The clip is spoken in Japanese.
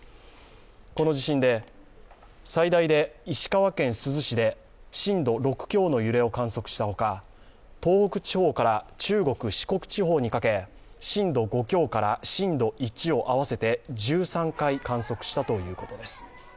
この地震で最大で石川県珠洲市で震度６強の揺れを観測したほか東北地方から中国・四国地方にかけ震度５強から震度１を合わせて１３回観測したということです。